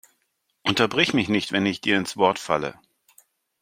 Unterbrich mich nicht, wenn ich dir ins Wort falle!